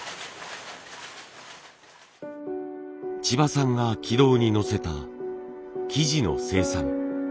千葉さんが軌道に乗せた生地の生産。